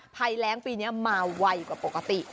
ภัยแรงปีนี้มาไวกว่าปกติ